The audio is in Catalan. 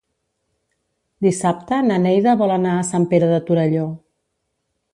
Dissabte na Neida vol anar a Sant Pere de Torelló.